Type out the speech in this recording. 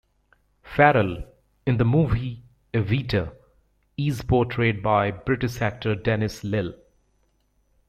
Farrell, in the movie "Evita", is portrayed by British actor Denis Lill.